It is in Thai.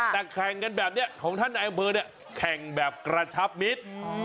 แต่แข่งกันแบบนี้ของท่านในอำเภอเนี่ยแข่งแบบกระชับมิตร